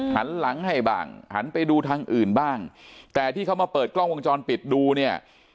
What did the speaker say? หันหลังให้บ้างหันไปดูทางอื่นบ้างแต่ที่เขามาเปิดกล้องวงจรปิดดูเนี่ย